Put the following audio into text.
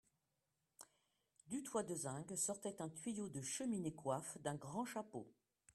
Du toit de zinc sortait un tuyau de cheminée coiffe d'un grand chapeau.